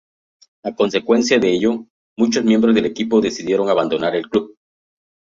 A consecuencia de ello, muchos miembros del equipo decidieron abandonar el club.